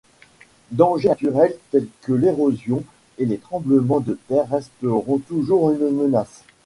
Dangers naturels tels que l'érosion et les tremblements de terre resteront toujours une menace.